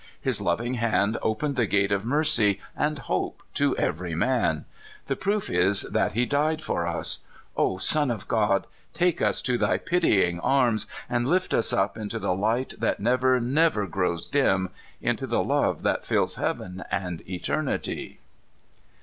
His loving hand opened the gate of mercy and hope to every man. The proof is that he died for us. O Son of God, take us to thy pitying arms, and lift us up into the light that never, never grows dim — into the love that fills heaven and eternity!